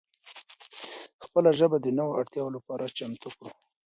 خپله ژبه د نوو اړتیاو لپاره چمتو کړو.